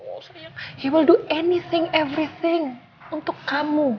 oh sayang dia akan melakukan apa saja semuanya untuk kamu